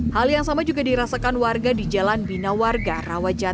hal yang sama juga dirasakan warga di jalan bina warga rawa jati negara